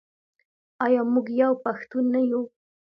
آیا موږ یو پښتون نه یو؟